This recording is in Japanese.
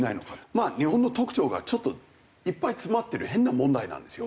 まあ日本の特徴がちょっといっぱい詰まってる変な問題なんですよ。